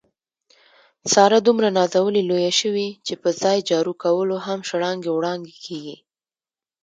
ساره دومره نازولې لویه شوې، چې په ځای جارو کولو هم شړانګې وړانګې کېږي.